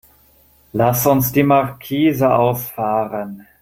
Lass uns die Markise ausfahren.